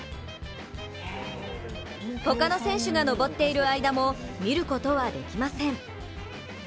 他の選手が登っている間も見ることはできません。